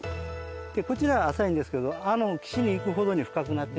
こちらは浅いんですけどあの岸に行くほどに深くなってます。